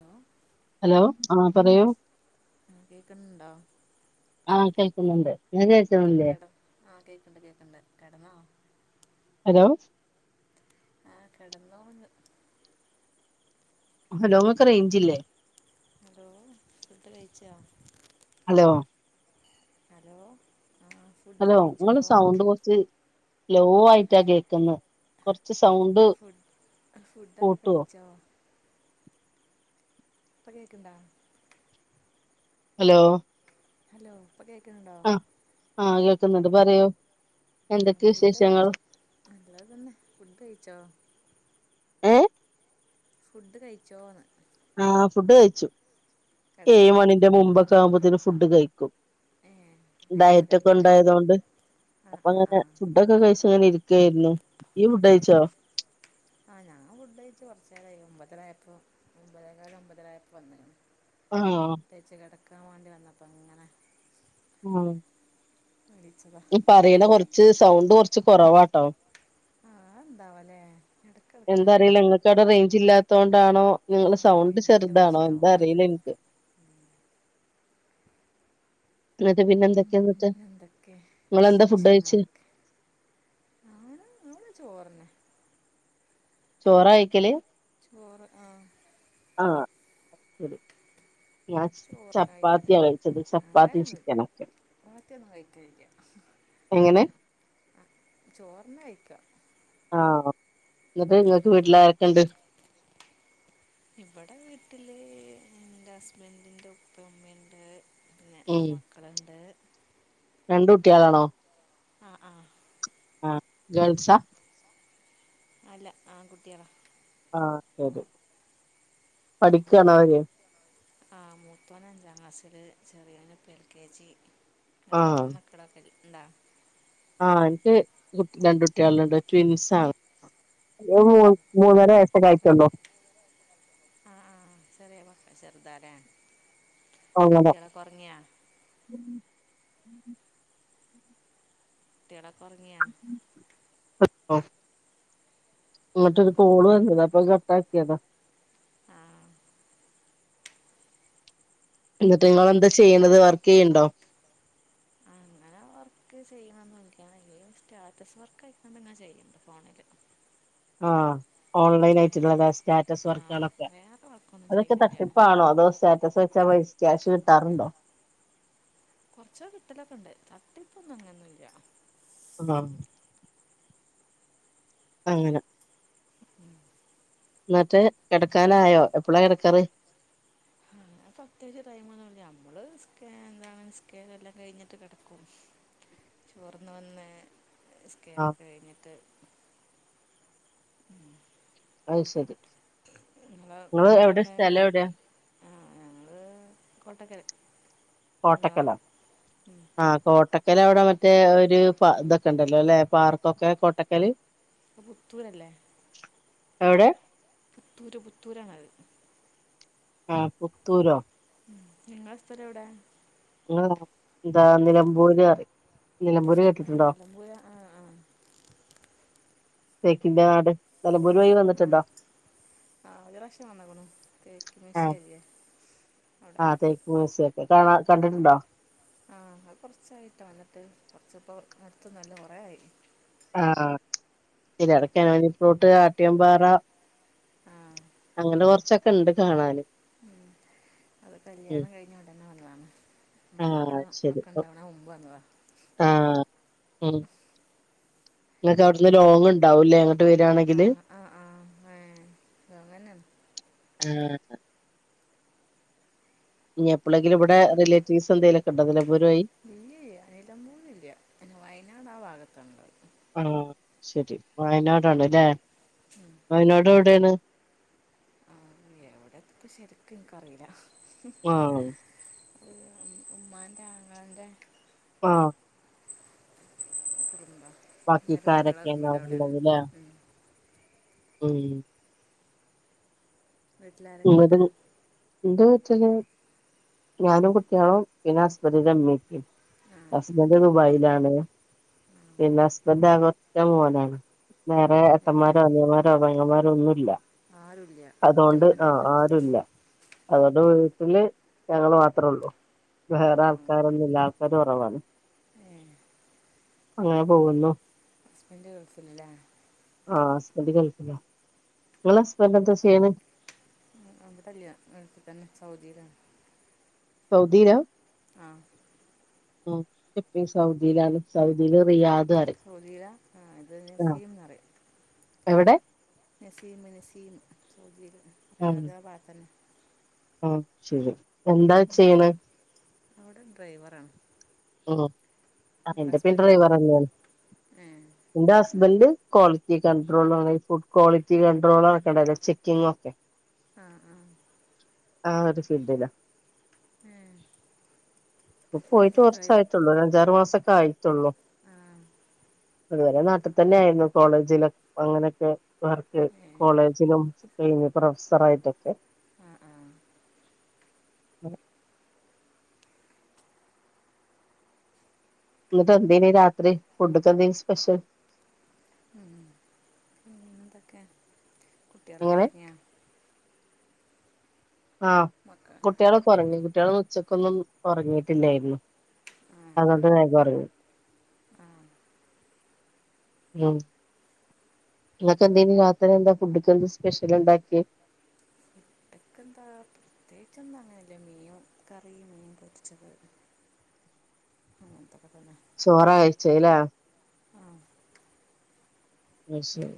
Hello hello ആ പറയൂ കേക്കുന്നുണ്ടോ കേൾക്കുന്നുണ്ട് ഇങ്ങക്ക് എന്താ കേൾക്കുന്നില്ലേ കട ആഹ് കേക്കണ്ട് കേക്കണ്ട് കടന്നോ ഹലോ ആഹ കിടന്നോു ഹലോങ്ങൊക്കെ റേഞ്ചല്ലേ ഹലോ സട്ടലയിച്ച ഹലോ ഹലോ ആ ഫുഡ് ഹലോ കഴിച്ചോ നിങ്ങള്ൾ സൗണ്ട് കുറച്ച് ലോ ആയിട്ടാ കേൾക്കുന്നത് കുറച്ച് ഫുഡ് ഫുഡൊക്കെ കൂട്ടുവോ കഴിച്ചോ പകക്കണ്ട ഹലോ ഹലോ ഇപ്പൊ കേൾക്കുന്നുണ്ടോ ആഹ കേൾക്കുന്നുണ്ട് പറയോ ആ ഫുഡ് കഴിച്ചോ നല്ല തന്നെ ഫുഡ് കഴിച്ചോ ഫുഡ് കഴിച്ചോന്ന് ആ ഫുഡ് കഴിച്ചു എ കിടന്നോ മണിന്റെ മുമ്പൊക്കെ ആവുമ്പോത്തന് ഫുഡ് കഴിക്കും ഏ നേരത്തെ ഡയറ്റ ഒക്കെ കഴിക്കൂല്ലേ ഉണ്ടായതൊണ്ട് ആ അപ്പ ആ ആ അങ്ങനെ ഫുഡൊക്കെ കഴിച്ചങ്ങനെ ഇ ഒക്കായിരുന്നു ശരി ആഹ് ഞാൻ ഫുഡഴച്ച കൊറച്ച നേരമ്പ നായപ്പോ ഒമ്പതേക്കാൽ ഒമ്പതരായായപോ വന്നേ ആഹ വെക്കാൻ വേണ്ടി വന്നപ്പോൾ അങ്ങനെ ഉം ഈ പറയണ കൊറച്ച് സൗണ്ട് കൊറച്ച് കൊറവാട്ടോ ആഹ് അതെന്താവൊലേ എന്താറീല ഇങ്ങക്ക് അവിടെ റേഞ്ച് ഇല്ലാ ട്ടാണോ ആ നിങ്ങളെ സൗണ്ട് റേഞ്ചിൻ്റെ ചെറ്താണോ പ്രശ്നമാവും എന്താ എന്നാൽ അറീല ഇൻക്ക്. ഇന്നിട്ട് പിന്നെ എന്തൊക്കെ ഇന്ന്ട്ട് പിന്നെന്തൊക്കെ ഇങ്ങളെന്താ ഫുഡ് കഴിച്ച് ഞാന് ഞങ്ങള് ചോറന്നെ ചോറാ കഴിക്കല് ചോറ് ആഹ് ആഹ് ശരി ഞാൻ ചോറിനെ കഴിക്കൽ ചപ്പാത്തിയാ കഴിച്ചത് ചപ്പാത്തിയും ചിക്കനൊക്കെ ചപ്പാത്തി ഒന്നും കഴിക്കലില്ല്യ. എങ്ങനെ ആഹ് ചോറെന്നെ കഴിക്ക ആഹ് ഇന്നിട്ട് ഇങ്ങക്ക് വീട്ടിലാരെക്കെ ഇണ്ട്? ഇബടെ വീട്ടില് ഇന്റെ ഹസ്ബൻ്റിന്റെ ഉപ്പയും ഉമ്മിംണ്ട്. പിന്നെ ഇന്റെ ഉം മക്കള്ണ്ട്. രണ്ട് കുട്ടികളാണോ? ആഹ് ആഹ് ആഹ് ഗേൾസ്സാ അല്ല ആൺകുട്ടികളാ ആഹ് ശരി പഠിക്കുവാണോ അവര് ആഹ് മൂത്തോൻ അഞ്ചാം ക്ലാസില് ചെറിയോൻ ഇപ്പോ എൽ കെ ജി നിങ്ങൾക്ക് ആഹ് എത്ര [unintelligible] ഇണ്ടാ ആഹ് എനിക്ക് കുട്ടി രണ്ട് കുട്ടികളുണ്ട് ട്വിൻസാണ്. ഒരു ഏ മോ മൂന്നര എത്ര വയസ്സൊകെയായിട്ടുള്ളു ചെറുതല്ലേ അങ്ങനെ കുട്ടികളൊക്കെ ഉറങ്ങിയാ? കുട്ടികളൊക്കെ ഉറങ്ങിയാ? ഓഹ് ഇങ്ങട്ടൊരു കോള് വന്നതാ അപ്പൊ കട്ട്‌ അക്കിയതാ ആ എന്നിട്ട് നിങ്ങള് എന്താ ചെയ്യുന്നത് വർക്ക് ചെയ്യാനുണ്ടോ? ആഹ് അങ്ങനെ വർക്ക് ചെയ്യണമെന്നുമില്ല ഇനിയും സ്റ്റാറ്റസ് വർക്ക് ആയിക്കൊണ്ട് ഇങ്ങനെ ചെയ്യുന്നുണ്ട് ഫോണില് ആഹ് ഓൺലൈൻ ആയിട്ടുള്ളതാ സ്റ്റാറ്റസ് ആ വർക്കുകളൊക്കെ വേറെ വർക്കൊന്നും അതൊക്കെ ചെയ്യണില്ല തട്ടിപ്പാണോ അതോ സ്റ്റാറ്റസ് വെച്ചാ പൈ ക്യാഷ് കിട്ടാറുണ്ടോ? കൊറച്ചോ കിട്ടലൊക്കെയുണ്ട് തട്ടിപ്പൊന്നും അങ്ങനെയൊന്നുമില്ല അന്നാ അങ്ങനെ എന്നിട്ട് കിടക്കാനായോ എപ്പോഴാ കിടക്കാറ് ആഹ് പ്രതേകിച്ചു ടൈം ഒന്നുല്ല നമ്മള് എന്താന്നു നിസ്കാരം എല്ലാം കഴിഞ്ഞിട്ട് കെടക്കും ചോർന്ന് വന്നേ ആഹ് നിസ്കാരക്കെ കഴിഞ്ഞിട്ട് അയ്ശരി. നിങ്ങള വീടെ എവിടെ എവിടെയാ ആ ഞങ്ങള് കോട്ടക്കര കോട്ടക്കല ആ കോട്ട ക്കല് അവിടെ മറ്റേ ഒരു ഇതൊക്കെ ഉണ്ടല്ലോ അല്ലെ പാർക്കൊക്കെ കൊട്ടക്കല്? പ്പ പുത്തൂരല്ലേ? എവ്ടെ? പുത്തൂര് പുത്തൂരാണത്. ആഹ് പുത്തൂരോ? ഉം നിങ്ങളെ സ്ഥലെവ്ടെ? ആ എന്താ നിലമ്പൂര റിം ആഹ് എല്ലം പോയ ആഹ് ആഹ് സേക്കിന്റെ ആട് ആഹ് ആഹ് ഒര് റാശ്യം വന്ന്ക്ക്ണു തേക്ക് ആഹ് മ്യൂസിയം ല്ല്യെ ആ തേക്ക് മ്യൂസ്യൊക്കെ കാണ കണ്ട്ട്ടുണ്ടോ ആഹ് അ കൊർച്ചായിട്ടോ വന്ന്ട്ട് കൊർച്ച് പ്പം അടുത്തൊന്നുഅല്ല കൊറെ ആയി ആഹ് ഉം. തിലടക്കാ [unintelligible] ട്ട് ആട്ട്യംപാറ ആ അങ്ങനെ കൊർച്ചൊക്കെ ണ്ട് കാണാന് അത് ഉം കല്യാണം കഴിഞ്ഞുടനെ വന്നതാണ് ആഹ് മക്കടെ ശരി ഒക്കെ ണ്ടാവണ മുമ്പ് വന്നതാ ണ് ആഹ് ഉം ങ്ങകൗട്ന്ന് ലോങ് ണ്ടാവുല്ലേ ട്ട് ആ വരാണെങ്കില് ആ ആ ഏ അങ്ങനെ ഉം ഞെ പ്പളെങ്കിലുവ്ടെ റിലെറ്റീവ്സെന്തേലൊക്കെ ണ്ടോ തിലെ ഇല്ല്യേ [unintelligible] ല്ല പിന്നെ വയനാടാ ഭാഗത്താണ്ള്ളത് ആഹ് ശരി വയനാടാണ് ലേ വയനാടെവിടെയാണ് ആ എവ്ടെത്തും ശരിക്കും എനിക്കറിയില്ല ആഹ് ഉമ്മാൻ്റെ ആങ്ങളൻ്റെ ആഹ് [inaudible] മരുമകളെ വീട് അവിടെയാണ് ബാക്കിക്കാരൊക്കെഞടെണ്ടെങ്കിലെ ഉം. ഉം വീട്ടിലാരൊക്കെ ങ്ങള്ത് ഉണ്ട് ന്ത്‌ ചെയ്യ ഞാനും കുട്ട്യാളു പിന്നസ്ബന്റിന്റെ മ്മി പ്പിമ് ആ ഹസ്ബന്റ് ദുബായിലാണ്. പിന്നെ ഹസ്ബൻഡ് ആകൊറ്റ മോനാണ്. വേറെ ഏട്ടമ്മാരോ അനിയമ്മാരോ പെങ്ങമ്മാരോന്നുല്ല. ആരുല്ല ഒറ്റ മോന് ആരുല്ല അതോണ്ട് വീട്ടില് ഞങ്ങള് മാത്രൊള്ളു വേറെ ആൾക്കാരൊന്നും ഇല്ല ആൾക്കാരൊറവാണ് ഉം അങ്ങനെ പോകുന്നു ഹസ്ബൻഡ് ഗെൾഫില്ല ആഹ് ഹസ്ബൻഡ് ഗൾഫില ങ്ങളസ്ബൻഡ് ചെയ്യണെ അല്ല അ മ് തന്നെ സൗ സൗദീ ലാ ആഹ് ആ ന്റ പ്പി സൗദിലാണ് സൗദില് റിയാ പറയും സൗദീല ആ ത് നസീം ന്നറിം എവ്ടെ നെസീമ് നെസീം സൗദീല് റിയാദ് ആ ഭാത്തെന്നെ. അ ശരി എന്താ ചെയ്യ്ണ് അവ്ടെ ഡ്രൈവറാണ് അ ആണോ എന്റെ പെൺ ഹസ്ബൻഡോ ഡ്രൈവറെന്നേണ് ഏ എന്റെ ഹസ്ബന്റ് ക്വാളിറ്റി കൺട്രോളാണ് ഫുഡ് ക്വാളിറ്റി കൺണ്ട്രോളൊക്കെണ്ടല്ലോ ചെക്കിങ്ങൊക്കെ ആ ആ ആ ഒരു ഫീൽഡില ഏ പ്പോ പോയിട്ട് കൊർ ഡ്രൈവ് സായിട്ടുള്ളൂ അഞ്ചാറ് മാസൊക്കായിട്ടുള്ളൂ ആ അതുവരെ നാട്ടിൽ തന്നെ ആയിരുന്നു കോളേജിലും അങ്ങനൊക്കെ വർക്ക് ഏ കോളേജിലും കഴിഞ്ഞ് പ്രൊഫസറായിട്ടൊക്കെ ആ ആ [inaudible] ന്നിട്ട് എന്തേന്നു രാത്രി ഫുഡ്‌ [unintelligible] സ്പെഷ്യൽ ഉം പിന്നെന്തൊക്കെ കുട്ട്യാളൊക്കെ എങ്ങനെ ഒറങ്ങിയോ ആ മക്കൾ കുട്ട്യാളൊക്കെ ഒറങ്ങി കുട്ട്യാള് ച്ചക്കൊന്നും ഒറങ്ങിട്ടില്ലേര്ന്ന് ആ അതോണ്ട് വേഗൊറങ്ങി ആ ഉം നിങ്ങക്ക്ക്കെന്തേന്നു രാത്രി എന്താ ഫുഡ്ക്കെന്ത സ്പെഷ്യൽ ണ്ടാക്ക്യേ ന്താ പ്രത്യേകിച്ചൊന്നും അങ്ങനല്ല മീൻ കറിയും മീൻ പൊരിച്ചത് അങ്ങൻത്തൊക്കെ തെന്നേ ചോറ കഴിച്ചത് ല്ലേ ആ അത്ശെരി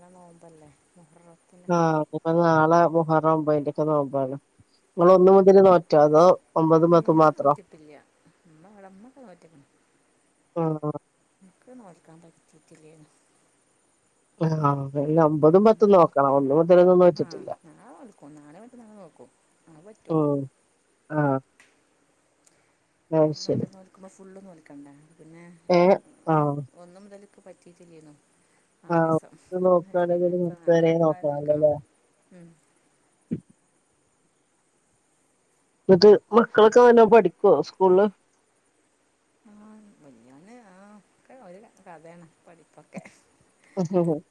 ന്ന് നോമ്പല്ലേ മുഹറത്തിന് ആ പിന്നെ നാളെ മുഹറം ഒമ്പതിന്റൊക്കെ നോമ്പാണ് [unintelligible] നിങ്ങള് ഒന്ന് മുതല് നോറ്റോ അതോ ഒമ്പത് ൻക്ക് പത്തും മാത്രോ ആ നോൽക്കാൻ പറ്റീറ്റില്ലേന്ന് ആ ഇ ഒമ്പതും പത്തും നോക്കണം ഒന്ന് മുതലൊന്നും ആ നോറ്റിറ്റില്ല നാളെ നോൽക്കും നാളെ മറ്റു നാളെ നോക്കും [inaudible] [unintelligible] ആ അത് ഒന്ന് ശരി മുതൽ നോൽക്കുമ്പോ ഫുൾ നോൽക്കണ്ടേ ഏ ആ ക്ക് പറ്റിറ്റില്ലേന്നു ആ ഒന്ന് നോക്കാണെങ്കിൽ ഇപ്പം മുപ്പത് നാളെ വെരെ മറ്റന്നാൾ നോക്കണല്ലോ നോൽക്കണം ല്ലേ [unintelligible] ന്ന്ട്ട് മക്കളൊക്കെ നല്ലോം പഠിക്കോ സ്കൂള്ല് ആ ആ വലിയവന് ഒക്കെ ഒരു കഥെണ് പഠിപ്പൊക്കെ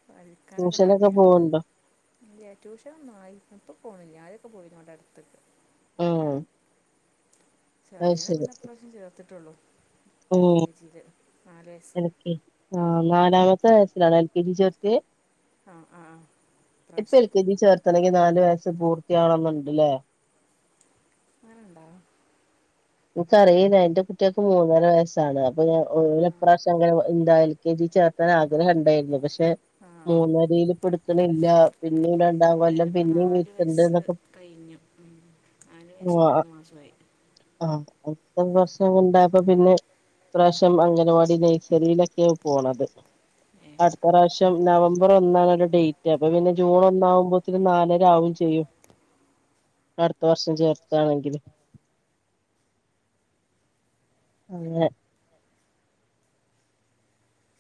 പടിക്കാനൊക്കെ ട്യൂഷനൊക്കെ മട്യ പോവണ്ടോ റ്റൂഷനൊന്നായില്ല പ്പൊ പുളിഞ്ഞാലൊക്കെ പോയിരുന്നു ഇവടെ അടുത്ത് ഉം അത് ചെറ്ത് നെ ശരി പിന്നെ ഇപ്രാഷ്യം ചേർത്തിട്ടുള്ളൂ എൽ ഉം കെ ജില് എൽ കെ ജി ആ നാലാമത്തെ വയസ്സിലാണോ എൽ കെ ജി ചേർത്യേ ആ ആ ആ ഇപ്പൊ ഇപ്രാവശ്യം എൽ കെ ജി ചേർത്തണെങ്കിൽ നാ ല് വയസ്സ് പൂർത്തിയാവണെന്ന്ണ്ട് ല്ലേ അങ്ങനെ ണ്ടോ ഇൻക്കറില്ല ന്റെ കുട്ട്യാക്ക് മൂന്നര വയസ്സാണ് അപ്പൊ ഓല് ആഹ് ഇപ്രാശ്യം അംഗല എന്താ എൽ കെ ജി ചേർത്താൻ ആഗ്രഹം ഇണ്ടേരുന്നു പക്ഷെ ആഹ് മൂന്നരയില്പ്പ്ടുക്ക്ണില്ല പിന്നേം രണ്ടാം കൊല്ലം ഇവനിപ്പോ പിന്നിം ഇര്ത്ത്ണ്ട് ന്നൊക്കെ പ നാലു വയസ്സും മൂന്ന് മാസം ആയി [unintelligible] പ്രാശ്യം അംഗനവാടി നെഴ്സറിലൊക്കെ പോണത് ഏഹ് അടുത്ത പ്രാശ്യം നവംബർ ഒന്നാണ് ഓന്റെ ഡേറ്റ് അപ്പൊ പിന്നെ ജൂൺ ഒന്നാവുമ്പോത്തിന് നാലര ആവും ചെയ്യും [unintelligible] അടുത്ത വർഷം ചേർത്താണെങ്കില് ആഹ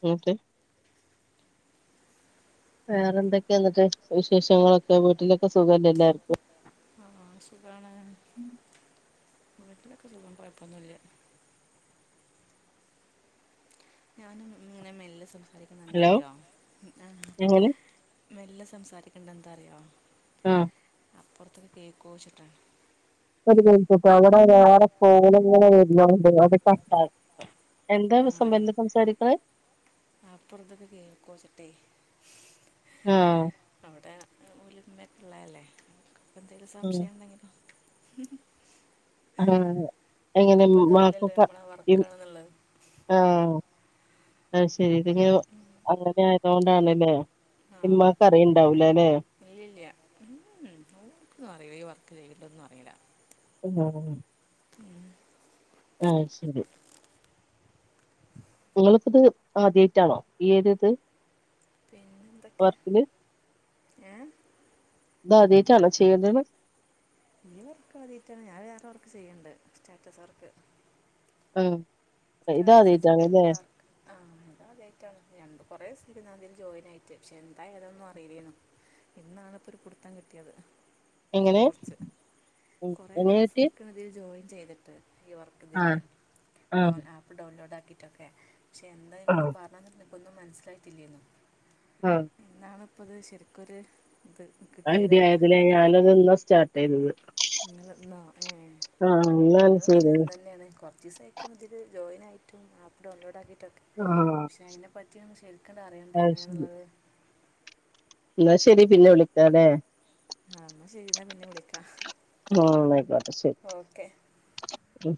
ട്ട [unintelligible] വേറെ എന്തൊക്കെയ എന്നിട്ട് വിശേഷങ്ങളൊക്കെ വീട്ടിലൊക്കെ സുഖല്ല എല്ലർക്കും ആ സുഖമാണ് വീട്ടിലൊക്കെ സുഖം കുഴപ്പമൊന്നുമില്ല ഞാനും ഇങ്ങനെ മെല്ല് സംസാരിക്കുന്നു എന്താ ഹലോ അറിയോ എങ്ങനെ മെല്ല സംസാരിക്കണ്ട എന്താ അറിയാ ആഹ അപ്പുറത്തൊക്ക കേൾക്കുക വെച്ചിട്ടാണ് പിച്ചട്ട അവിടെ വേറെ പോണ വണ്ട് അത് ക [unintelligible] എന്താ സം എന്ത സംസാരിക്കുന്നത് ആപ്പുറത്തൊക്കെ കേൾക്കോ ചട്ടേ ആഹ് അവിടെ ഉലിമക്കള്ളല്ലേ എന്തെിലും ആഹ് സംശയം എന്തെങ്കിലോ ആഹ എങ്ങനെ ഇതറിയില്ലല്ലോ മാക്ക നമ്മളാ വർക്കാണെന്നുള്ളത് ആഹ അ ശരി ഇതിെ അങ്ങനെ ആയത കൊണ്ടാണല്ലേ ആഹ ഇല്ലല്ല ഓർക്ക് അ വർക്ക് ചെയ ണ്ടൊന്നും അറിയില [unintelligible] ഉം ആഹ് ശരി നിങ്ങൾക്കിത് ആദ്യായിട്ടാണോ ഈ ഒരിത്? എന്തൊക്കെ ഏഹ്? ഇതാദ്യട്ടാണോ ചെയ്യേണ്ടത്? ഈ വർക്ക് ആദ്യായിട്ടാണ് ഞാൻ വേറെ വർക്ക് ചെയ്യണ്ട് സ്റ്റാറ്റസ് വർക്ക്. ഉം സ്റ്റാറ്റസ് വെച്ച് ഇടാനുള്ള വർക്ക്‌ ആഹ് ഇതാദ്യായിട്ടാണ്. ഞാൻ ന്നിട്ട് കുറെ ദിസം ഇരുന്നതിൽ ജോയിൻ ആയിട്ട് പക്ഷെ എന്താ ഏതൊന്നും അറിയില്ലേനു ഇന്നാണിപ്പോ ഒരു പിടുത്തം കിട്ടിയത്. ഇതിനെ എങ്ങനെ കുറച്ച് ഉം കൊറെ എങ്ങനെ കിട്ടി ദിവസമായിക്കണ് ഇതില് ജോയിൻ ചെയ്തിട്ട്. ഈ വർക്ക് ഇതില് ആഹ് ഡൗൺ ആഹ് ആപ്പ് ഡൗൺലോഡ് ആക്കീട്ടൊക്കെ പക്ഷെ എന്താ എനിക്ക് ആഹ് പറഞ്ഞാന്നെനിക്കൊന്നും മനസ്സിലായിട്ടില്ലേനു. ആഹ് അപ്പൊത് ശരിക്കൊരു ഇത് [unintelligible] കിട്ടിയത് അതിന് ആയതിനെ ഞാനിത് ഇന്നാ സ്റ്റാർട്ട് ചെയ്തത്. നിങ്ങാ ഏ ആഹ് എന്നാണ് ഞാന തന്നെ ഇ ചെയ്തത് തന്നെയാണ് കൊറച്ച ദിവസം ആയിക്കോ ഇതില് ജോയിൻ ആയിട്ടും ആപ്പ് ഡൗൺലോഡ് ആക്കി ട്ടും ആഹ് പക്ഷെ അയിനേ പറ്റി ഒന്നും ശരിക്കണ്ട് അറിയണ്ടേ എങ്ങനെയാണുള്ളത്. ഇന്നാ ശരി പിന്നെ വിളിക്കാല്ലേ ആഹ് എന്നാ ശരി എന്നാ പിന്നെ വിളിക്കാം ആഹ് എന്ന ആയിക്കോട്ടേ ശരി ഓക്കെ ഉം